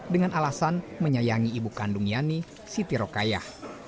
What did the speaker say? dengan alasan menyayangi ibu kandung yani siti rokayah